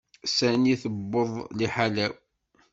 Sani tuweḍ liḥala-w.